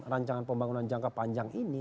rancangan pembangunan jangka panjang ini